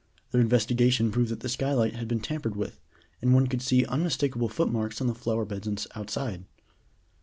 Their investigation proved that the sky light had been tampered with, and one could see unmistakable footmarks on the flower beds outside."